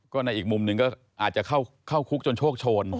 ก็ในอีกมุมหนึ่งก็อาจจะเข้าคุกจนโชคโชน